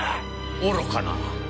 愚かな。